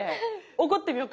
怒ってみようか。